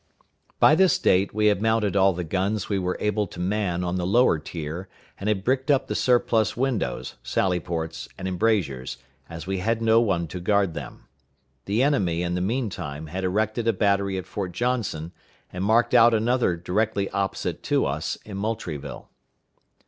By this date we had mounted all the guns we were able to man on the lower tier, and had bricked up the surplus windows, sally ports, and embrasures, as we had no one to guard them. The enemy, in the mean time, had erected a battery at Fort Johnson, and marked out another directly opposite to us in Moultrieville.